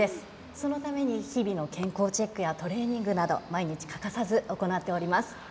そのために日々の健康チェックやトレーニングなど毎日欠かさず行っております。